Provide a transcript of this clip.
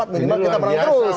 minimal kita berangkat terus